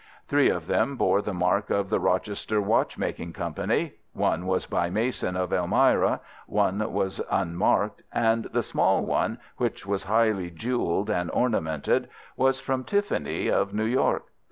Three of them bore the mark of the Rochester Watchmaking Company; one was by Mason, of Elmira; one was unmarked; and the small one, which was highly jewelled and ornamented, was from Tiffany, of New York.